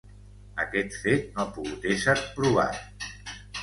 Aquest fet no ha pogut ésser provat.